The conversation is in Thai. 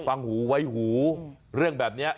ฟังหูไว้หูเรื่องแบบนี้